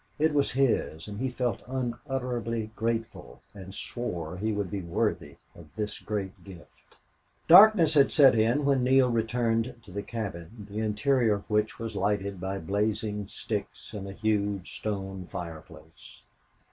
It was his, and he felt unutterably grateful and swore he would be worthy of this great gift. Darkness had set in when Neale returned to the cabin, the interior of which was lighted by blazing sticks in a huge stone fireplace.